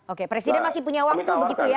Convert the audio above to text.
oke presiden masih punya waktu begitu ya